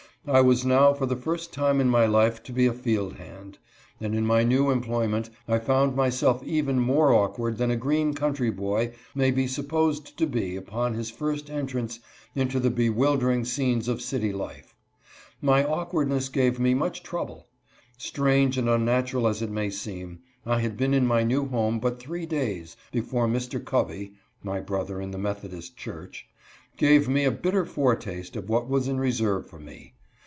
I was now for the first time in my life to be a field hand; and in my new employment I found myself even more awkward than a green country boy may be supposed to be upon his first entrance into the bewildering scenes of city life. My awkwardness gave me much trouble. Strange and un natural as it may seem, I had been in my new home but three days before Mr. Covey (my brother in the Metho dist church,) gave me a bitter foretaste of what was in reserve for me.